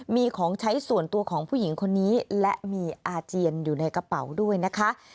มีของใช้ส่วนตัวของผู้หญิงคนนี้และมีอาเจียนอยู่ในกระเป๋าด้วยนะคะ